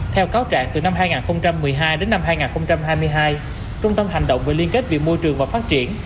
theo cáo trạng từ năm hai nghìn một mươi hai đến năm hai nghìn hai mươi hai trung tâm hành động về liên kết vì môi trường và phát triển